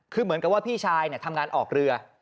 คือเหมือนกับว่าพี่ชายทำงานออกเรือ